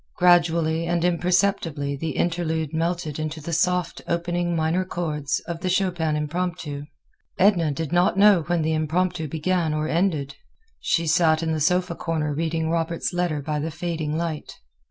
Gradually and imperceptibly the interlude melted into the soft opening minor chords of the Chopin Impromptu. Edna did not know when the Impromptu began or ended. She sat in the sofa corner reading Robert's letter by the fading light.